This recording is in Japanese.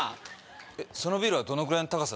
そのビルはどのぐらいの高さ？